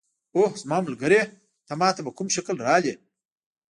اوه زما ملګری، ته ما ته په کوم شکل راغلې؟